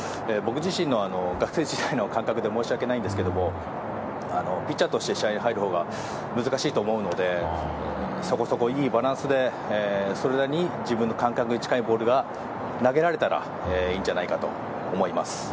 僕自身の学生時代の感覚で申し訳ないんですけどピッチャーとして試合に入るほうが難しいと思うのでそこそこいいバランスでそれなりに自分の感覚に近いボールが投げられたらいいんじゃないかと思います。